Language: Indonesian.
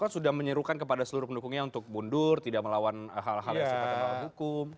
kan sudah menyerukan kepada seluruh pendukungnya untuk mundur tidak melawan hal hal yang sudah dilakukan oleh hukum